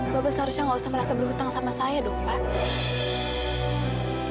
bapak seharusnya gak usah merasa berhutang sama saya dong pak